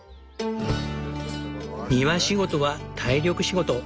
庭仕事は体力仕事。